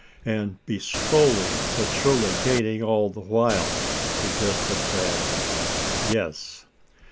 "And be slowly but surely gaining, all the while?" suggested Thad. "Yes."